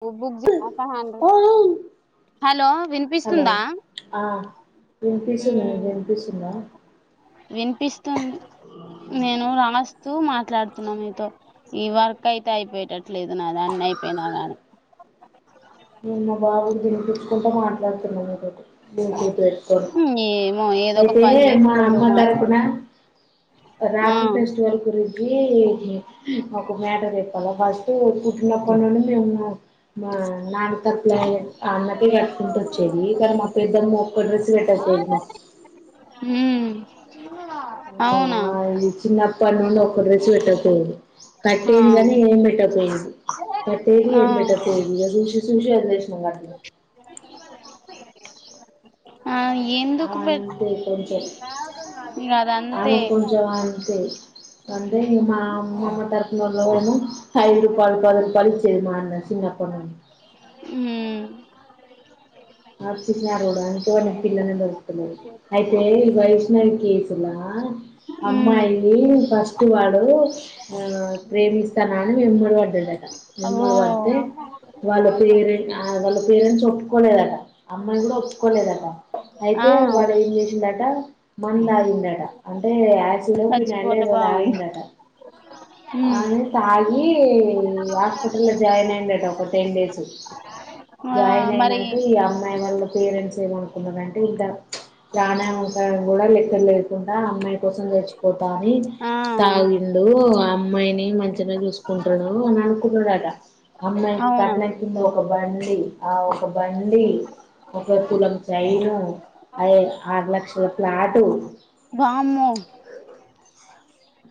[unintelligible] అండి. Hello hello వినిపిస్తుందా ఆ వినిపిస్తుందా నీకు మ్ వినిపిస్తుందా వినిపిస్తుంది. నేను రానస్తూ మా మాట్లాడుతున్నా మీతో ఈ వర్క్ అయితే అయిపోయేటట్టు లేదు నాదాన్ని అయిపోయినా గాని నేను మా బాబుకి తినిపిచ్చుకుంటా మాట్లాడుతున్నా మీతోటి [unintelligible] ఏమో [unintelligible] ఏదో ఒక అయితేనే పని మా చేసుకుంటూ అమ్మ తరపున మాట్లాడు ఆ రాఖి ఫెస్టివల్ గురిం నీకీ ఒక మేటర్ చెప్పాలా ఫస్ట్ పుట్టినప్పటి నుండి మేము [unintelligible] అన్నకే పెట్టుకుంటోచ్చేది కానీ మా పెద్దమ్మ ఒక్క డ్రెస్ పెట్టకపోయిది మాకు మ్ అవునా కానీ నాకు ఒక్క డ్రస్ పెట్టకపోయింది. ఆ కట్టేందిగానీ ఏం పెట్టకపోయింది కట్టేది ఆ ఏగ పెట్టకపోయి ఇగ చూసి చూసి వదిలేస్ తున్నాడు. ఆ ఎందుకు పెట్ అంతే కొంచం. ఇగ అది అంతే ఆమెక్కొంచం అంతే అంటే మా మా అమ్మమ్మ తరపునలోల్లను ఐదు రూపాయలు పది రూపాయలు ఇచ్చేది మా అన్న చిన్నప్ మ్మ్. ఆర్సిన కూడా [unintelligible] పిల్లని దొరుకుతున్నారు అయితే వైష్నవి కేసులా ఆ ఉమ్ అమ్మాయిని ఫస్ట్ వాడు ఆ ప్రేమిస్తానని యెమ్మడి పడ్డాడట ఓ ఎంబడి పడితే వాళ్ళ పేరే ఆ వాళ్ళ పేరెంట్స్ ఒప్పుకోలేదట. అమ్మాయి కూడా ఒప్పుకోలేదట ఆ అయితే వాడు ఏం చేసిందట మందా ందట అంటే యాసిడో ఫినాయిలో చచ్చిపోతే ఏదో బాగుండు తాగిండట ఉమ్ అని తాగి హాస్పిటలో జాయినయిండట ఒక టెన్ డేస్ ఆ జాయిన్ అయినంక మరి ఈ అమ్మాయి వాళ్ల పేరెంట్స్ ఏమనుకున్నారంటే ఇద్ద ప్రాణాల కోసం కూడా లెక్క లేకుండా అమ్మాయి కోసం చచ్చిపోతానని ఆ తాగ్ పిండు ఆ అమ్మాయిని మంచిగా చూసుకుంటాడు అని అనుకున్నడట అమ్మాయికి అవునా కట్నం కింద ఒక బండి ఆ ఒక బండి. ఒక తులం చైను అద ఆరు లక్షల ప్లాటు వామ్మో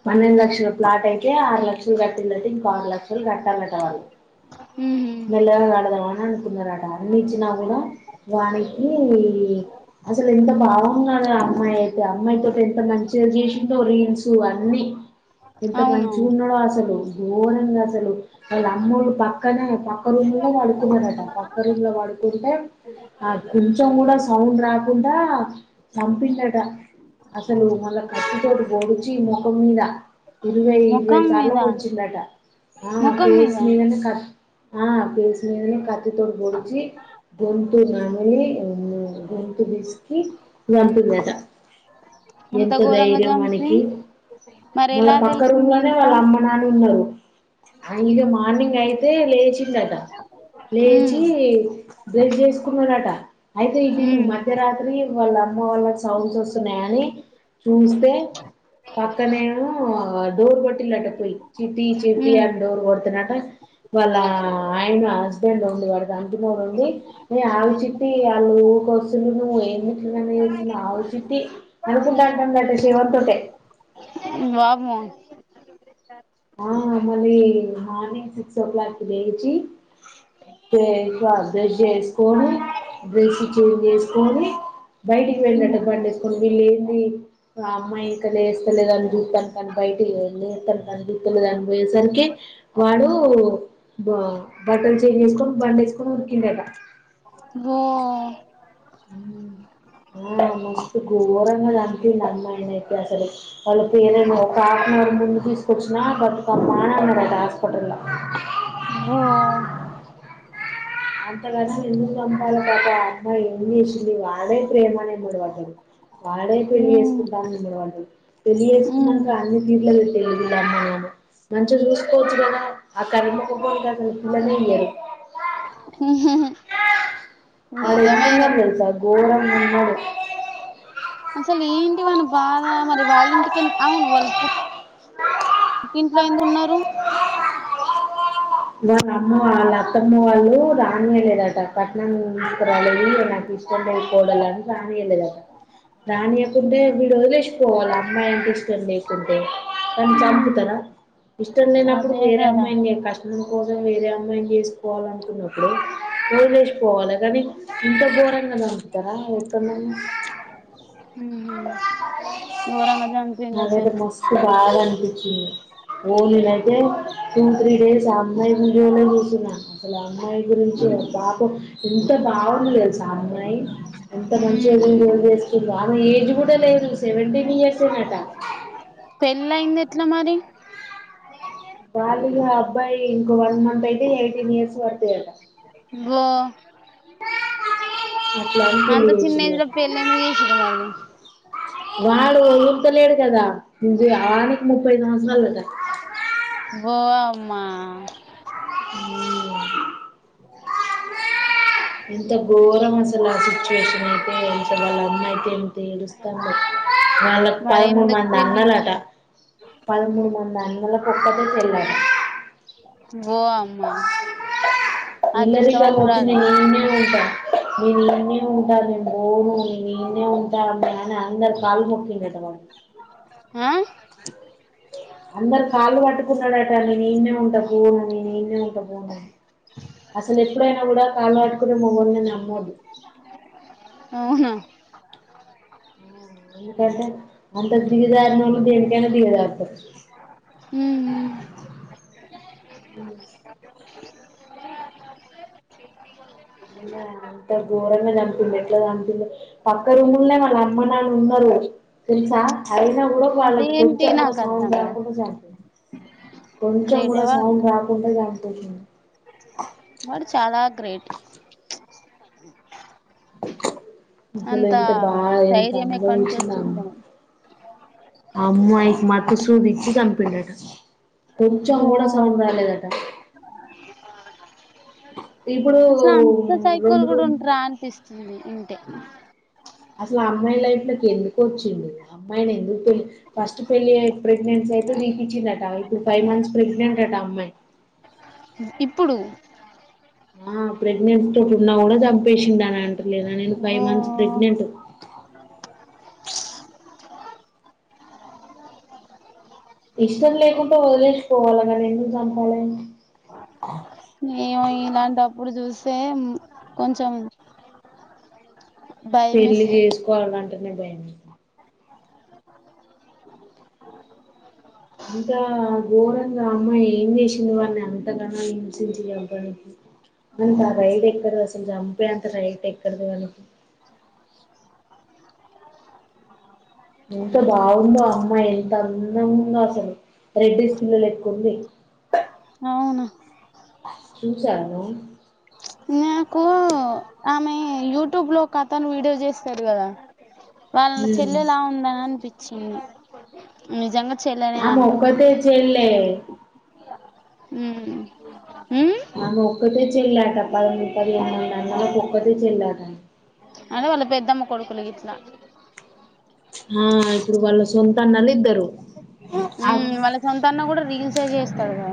పన్నెండు లక్షల ప్లాట్ అయితే ఆరు లక్షలు కట్టిందట ఇంకో ఆరు లక్షలు కట్టాలట వాళ్ళు మ్ హూ మెల్లంగా కడదామని అనుకున్నారట అన్నిచ్చినా కూడా వానికీ అసలు ఎంత బాగున్నాది ఆ అమ్మాయి అయితే అమ్మాయితో ఎంత మంచిగ జేషిండో రీల్స్ టివన్ని ఎంత అవును మంచిగున్నాడో అసలు గోరంగసలు వాళ్ళఅమ్మోళ్ళు పక్కనే పక్క రూమ్లే వడుకున్నాడటా పక్క రూమ్లో పడుకుంటే ఆ కొంచెం కూడా సౌండ్ రాకుండా చంపిండట. అసలు మళ్ళ కత్తి తోటి పోడిచి మొఖం మీద ఇరవై ఇరవై ముఖం సార్ల మీద పొడిచిండట ఆ ఫేస్ మీద క ఆ ఫేస్ మీదనే కత్తి తోటి పొడిచి గొంతు నమిలి అమ్మో గొంతు పిసికి [unintelligible] అంత ఎంత ఘోరంగా ధైర్యం చంపి వానికి మరి మళ్ళ ఎలా పక్క తెలిసింది రూమ్లోనే ఇంట్లో వాళ్ళ అమ్మ నాన్న ఉన్నరు ఆ ఇగ మార్నింగ్ అయితే లేచిందటా ఉమ్ లేచి బ్రష్ చేసుకున్నదట అయితే ఉమ్ [unintelligible] మధ్యరాత్రి వాళ్ళ అమ్మ వాళ్ళకి సౌండ్స్ వస్తున్నయని చూస్తే చూస్తేనేమో డోర్ కొట్టిలట పోయి చీట్టి చీట్టి ఉమ్ అని డోర్ కొడుతెనట వాళ్ళ ఆయన హస్బెండ్ ఉండి వాడు అందులోనుండి ఏ ఆగు చిట్టి వాళ్ళు వస్తుల్లు నువ్వేంది ఇట్ల చేస్తున్నవ్ ఆగు చిట్టి అనుకుంట అంటాండంట శవంతోటే వామ్మో ఆ మళ్ళీ మార్నింగ్ సిక్స్ ఓ క్లాక్కి లేచి పొద్దున లేసి ఆ బ్రష్ ఎస్కొని డ్రెస్ చేంజ్ చేసుకొని బయటికి వెళ్ళినట్టు బండి వేసుకొని వెళ్ళి ఆ అమ్మాయి ఇక లేస్తలేదని చూడ్డానికి అని బయటికి వెళ్ళి లేదని పోయేసరికకే వాడు బ బట్టలు చేంజ్ చేసుకొని బండేసుకొని ఉరుకు కిండట ఓ ఆ మస్తు ఘోరంగ తాకింది అమ్మాయికైతే అసలు వాళ్ళు పేరెంట్సు ఒక హాఫ్ అన్ అవర్ ముందు తీసుకొచ్చిన బతుకమ్మ అన్నారట హాస్పిటల్ల ఓ అంతగనం ఎందుకు చంపాలె పాపం ఆ అమ్మాయి ఏం చేసింది వాడే ప్రేమని ఎమ్మటి పడ్డడు వాడే పెళ్ళి ఉమ్ చేసుకుంటా అని ఎమ్మటి పడ్డడు పెళ్ళి ఉమ్ చేసుకున్నాక అన్ని తీర్ల వీళ్ళ అమ్మ నాన్న మంచిగ చూసుకోవచ్చు కదా ఆ కర్రె మొకపొడికి అసలు పిల్లనే ఇయ్యరు వాడు నిజమేలే ఎట్లున్నడు తెలుసా ఘోరంగున్నడు అసలు ఏంటి వాని బాధ మరి వాళ్ళ ఇంటిక అవును వాళ్ళ పు పుట్టింట్లో ఎందుకు ఉన్నరు వాళ్ళ అమ్మ వాళ్ళ అక్క అమ్మ వాళ్ళు రానియ్యలేదట కట్నం తీసుకరాలేదు నాకు ఇష్టం లేదు కోడలు అని రానియ్యలేదట రానియ్యకుంటే వీడు వదిలేసిపోవాలి అమ్మాయంటే ఇష్టం లేకుంటే కానీ ఉమ్ చంపుతరా ఇష్టం లేనప్పుడు అదే వేరే కదా అమ్మాయి కష్టం ట్నం కోసం వేరే అమ్మాయిని చేసుకోవాలనుకున్నప్పుడు వదిలేసి పోవాలి కానీ ఇంత ఘోరంగా తరా ఎక్కడనన్న ఘోరం నాకైతే మస్తు బాధ అనిపించింది ఓ నెలైతే టూ త్రీ డేస్ ఆ అమ్మాయి వీడియోలే చూసిన అసలు అమ్మాయి గురించే పాపం ఎంత బాగుంది తెల్సా ఆ అమ్మాయి ఎంత మంచిగ ఉమ్ వీడియోలు చేసుకుంట ఆమె ఏజ్ కూడ లేదు సెవెంటీన్ ఇయర్స్ నట పెళ్ళయింది ఎట్ల మరి వాళ్ళిగ అబ్బాయి ఇంక వన్ మంత్ అయితే ఎయిటీన్ ఇయర్స్ పడతయట అగో అట్లా అని పెళ్లి అంత చిన్న చేసిళ్ళు ఏజ్ల పెళ్లి ఎందుకు చేసిన్రు మరి వాడు ఓదుల్తలేడు కదా వానికి ముప్పై సంవత్సరాలట వో అమ్మ ఎంత ఘోరం అసలు ఆ సిచ్యువేషన్ అయితే ఇంక వాళ్ళ అమ్మ అయితే ఎంత ఏడుస్తాందో వాళ్ళకు మరి పదమూడు ఎందుకు మంది పెళ్లి అన్నలట చేసిండు పదమూడు మందన్నలకు ఒక్కతే చెల్లట ఓ అమ్మా నిన్నటిచేమో ఒచ్చింది అదృష్టవంతురాలే నిన్నే [unintelligible] నేనీన్నే ఉంటా నేను బోను నేనీన్నే ఉంటా అనందరి కాళ్ళు మొక్కిండట వాడు ఆ అందరి కాళ్ళు పట్టుకున్నడట నేనీన్నే ఉంట పోను అసలు నేనెప్పుడైనా కూడా కాళ్ళు పట్టుకున్న మొగోన్నే నమ్మొద్దు [inaudible] ఎందుకంటె అంతకు దిగజారినొల్లు దేనికైనా దిగజారుతరు మ్మ్ మ్మ్ ఏంజెస్ అవునే అంత ఘోరంగ జంపిండు ఎట్ల జంపిండు పక్క రూముల్నే వాళ్ళ అమ్మా నాన్నున్నరు తెలుసా అయినా గుడ వాళ్ళకు అదేంటి కొంచంగుడ నాకు సౌండ్ అర్థం రా కుండ కావట్లే జంపిండు కొంచంగుడ గ్రేటే వాడు సౌండ్ రాకుండ జంపిండు వాడు చాలా గ్రేట్ అంత అసలెంత బాదెంత ధైర్యం ఎక్కడి నుంచి అనుభావించిందామె వచ్చిందో అమ్మాయికి మత్తు సూదిచ్చి జంపిండట ఓ కొంచంగూడ సౌండ రాలేదట ఇప్పుడూ అసలు అంత సైకోలు రొండ్ కూడా రూమ్ ఉంటారా అనిపిస్తుంది ఇంటే అసలా అమ్మాయి లైఫ్లకి ఎందుకొచ్చిండు ఆ అమ్మాయిని ఎందుకు పెళ్లి ఫస్ట్ పెళ్లి అయి ప్రెగ్నెన్సీ అయితే దీపించిండటా ఇప్పుడు ఫై మంత్స్ ప్రెగ్నెంట్ అట ఆ అమ్మాయి ఇప్పుడు ఆ ప్రెగ్నెంట్ తోటున్నా గూడా జంపేషిండనంట్ లేదా నేను ఫై మంత్స్ ఓ ప్రెగ్నెంట్ ఇష్టం లేకుంటె వదిలేష్పోవాలె గనేందుకు జంపాలే ఏవో ఇలాంటప్పుడు జూస్తే మ్ కొంచం పెళ్లి జేసుకోవాల్నంటనే భయమేస్తా అంతా ఘోరంగామ్మాయి ఏం జేసింది వాన్నంత గనం హింసించి జంపడానికి అంత రైట్ ఎక్కడదసలు జంపే అంత రైట్ ఎక్కడది వాళ్ళకి [inaudible] ఎంత బావుందో అమ్మాయి ఎంతందంగుందో అసలు రెడ్డీస్పిల్ల లెక్కుంది [inaudible] చూశావా నువ్వు యూటూబ్ లో కథను వీడియో జేస్తరు గదా వాళ్ళ నువ్వు చెల్లెలా ఉందని అనిచె నిజంగ చెల్లేనే అంట చెల్లే హూ ఆమె ఒక్కతే చెల్లట పది మూడు పదియేను మందన్నలకు ఒక్కతే చెల్లట అదే వాళ్ళ పెద్దమ్మ కొడుకులు గిట్ల ఆ ఇప్పుడు వళ్ళ సొంతన్నలిద్దరు ఊమ్ వాళ్ళ సొంతాన్న గూడ రీల్సే జేస్తడు గా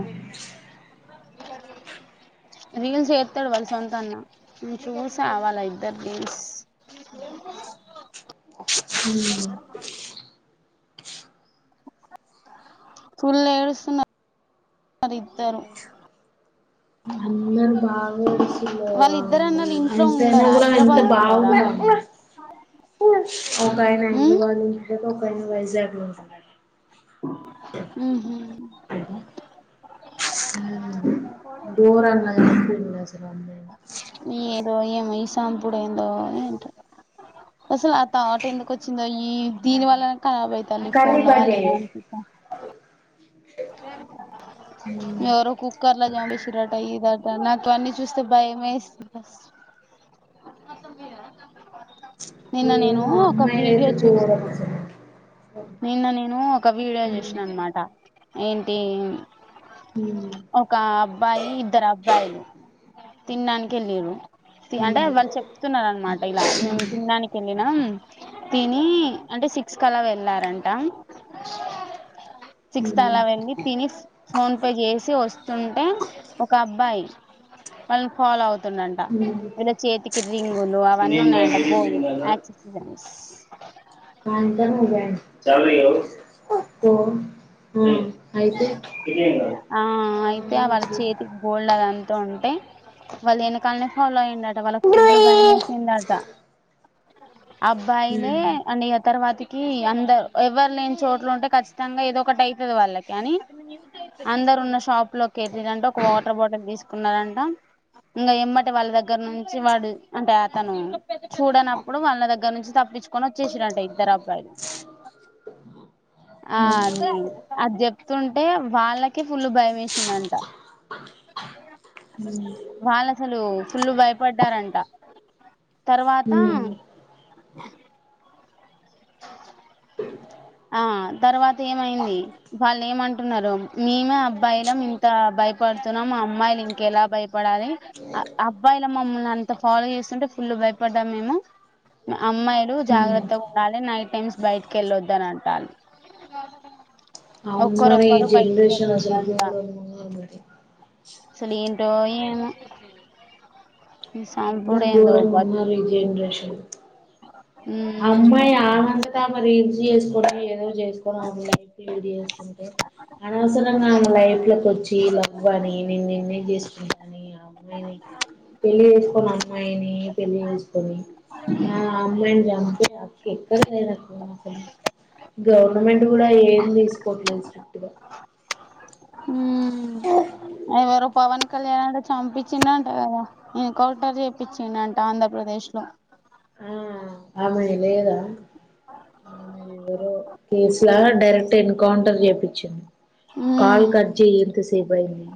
[inaudible] రీల్స్ చేత్తడు వాళ్ సొంతన్న ఉ చూసా వాళ్ళ ఇద్దరి రీల్స్ [inaudible] ఫుల్లేడుస్తున్న వాళ్ళిద్దరు అందరు బాగ వాళ్ళ ఇద్దరు అన్నలు ఇంట్లో ఎంతైనా ఉండరా గుడా ఎంత హైదరాబాద్ లో ఉంటారా బావున్నదబ్బ ఒకాయన ఉమ్ అయిద్రాబాద్ లుంటడట ఒకాయన వైజాక్ లుంటడట ఊహు ఘోరంగ జంపిండు అసలా అమ్మాయిని ఏందో ఏమో ఈ సంపుడేందో ఏంటో అసలు ఆ తాట్ ఎందుకు వచ్చిందయి దీని వల్లనే కరాబ్ అయితంది ఈ కర్రీ ఫోన్ల బర్రే వళ్లనే అనిపిత్తంది మీర కు కూక్కలా జా బేసిిరా టాైద [unintelligible] నాకు అన్ని చూస్తే భయమేస్తుంది నిన్న నేను ఏమో ఒక వీడియో అమ్మాయిలయితే చుడం చూసాను అసలు నిన్న నేను ఒక వీడియో చూసిన అనమాట ఏంటి ఉ ఒక అబ్బాయి ఇద్దరు అబ్బాయిలు తిన్డానికి వెల్లిర్రు ఉ అంటే వాళ్ళు చెప్తున్నారు అనమాట ఇలా మేము తినడానికి వెళ్ళినం తిని ఉ అంటే సిక్స్ కి అలా వెళ్ళి [unintelligible] చేసి వస్తుంటే ఒక అబ్బాయి వాళ్ళని ఫాలో అవుత డంట ఇండియన్ వీళ్ళ చేతికి రింగులు అవన్నీ బ్యాంక్ ఉన్నాయంట ఏడిపోయింది గోల్డ్ క చ [unintelligible] ఆ అయితే వాళ్ళ చేతికి గోల్డ్ అదంతా ఉంటు టే వాళ్ళు వెనకాలనే ఫాలో అయిండట వాళ్ళకి ఫుల్ భయం వేసిందట అబ్బాయిలే అండి ఆ తర్వాతికి అందరు ఎవ్వరు లేని చోట్ల ఉంటే ఖచ్చితంగా ఏదో ఒకటి అయితది వాళ్ళకి కానీ అందరు ఉన్న షాప్ లోకి వెల్లిరంట ఒక వాటర్ బాటిల్ తీసుకున్నారంట ఇంగ ఏమ్మట వాళ్ళ దగ్గర నుంచి వాడు అంటే అతను చూడనప్పుడు వాళ్ళ దగ్గర నుంచి తప్పు తప్పిచుకొని వచ్చేసిరంట ఇద్దరు అబ్బాయిలు ఆ ఉమ్, ఉమ్, అది చెప్ వస్తుంటే వాళ్ళకే ఫుల్లు భయం వేసిందింట ఉమ్, వాళ్ళు అసలు ఫుల్లు భయపడ్డారంట తర్వాత ఉమ్. ఆ తర్వాత ఏమైంది వాళ్ళు ఏమంటున్నరు మేము అబ్బాయిలం ఇంత భయపడుతున్నాం అమ్మాయిలు ఇంక ఎలా భయపడాలి అబ్బాయిల మమ్మల్ని అంత ఫాలో చేస్తుంటే ఫుల్లు భయపడ్డాం మేము అమ్మాయిలు జాగ్రత్తగా ఉండాలి నైట్ టైమ్స్ బయటకి వెళ్ళొద్దని అంటారు అవును మరి ఈ ఒక్కరొక్కరు బయటికి జనరేషన్ అసలు వెళ్ళొద్దంట ఘోరంగా ఉన్నారు మరి అసలు ఏంటి ఏంటో ఏమో ఈ సంపుడు అందరు ఏందో ఘోరంగా బతుకు ఉన్నరు ఈ జెనరేషన్ లో ఉమ్, అమ్మాయి ఆనంద మరి ఇది చేసుకోవని ఏదో చేసుకోడం లైఫ ఇది చేసుకుంటే [unintelligible] అనవసరంగా ఆమె లైఫ్ లోకి వచ్చి లవ్ అని నేను నిన్నే చేసుకు కాని అమ్మాయిని పెళ్లి చేసుకొని అమ్మాయిని పెళ్లి చేసుకొని ఆ అమ్మాయిండి అమ్క ఎక్కడ [unintelligible] గవర్నమెంట్ కూడా ఏది తీసుకోట్లే స్ట్రిక్ట్ గా అ [unintelligible] ఆ [unintelligible] ఎవరో పవన్ కళ్యాణ్ అంట చంపించిడంట కదా ఎన్కౌంటర్ చేపిచిడంట ఆంధ్రప్రదేశ్ ప్రదేశ్లో ఆ అమ్మాయి లేదా ఆమె ఎవరో కేసులా డైరెక్ట్ ఎన్కౌంటర్ చేపిచ్చి కాల్ ఉమ్ కట్ జెయి ఏంత సేపు అయింది